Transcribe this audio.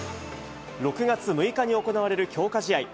６月６日に行われる強化試合。